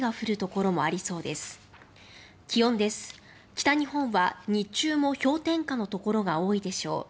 北日本は、日中も氷点下の所が多いでしょう。